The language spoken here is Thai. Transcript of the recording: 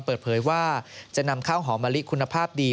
เปิดเผยว่าจะนำข้าวหอมะลิคุณภาพดี